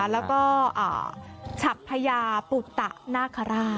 แล้วก็ฉับพญาปุตะนาคาราช